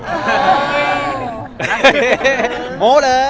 โหม้เลย